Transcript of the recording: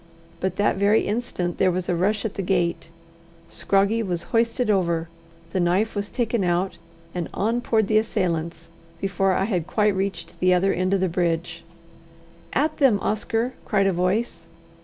But that very instant there was a rush at the gate; Scroggie was hoisted over, the knife was taken out, and on poured the assailants, before I had quite reached the other end of the bridge. "At them, Oscar!" cried a voice.